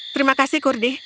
terima kasih kurdi